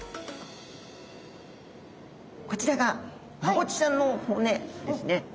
こちらがマゴチちゃんの骨ですね。